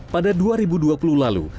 pada dua ribu dua puluh lalu